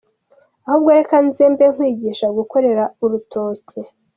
ahubwo reka nze mbe nkwigisha gukorera urutoke.”